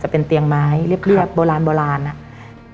เป็นเตียงไม้เรียบโบราณโบราณอะ